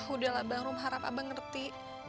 udah lah bang rum harap abang ngerti